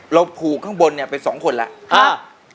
เราผูกข้างบนไปสองคนแล้ว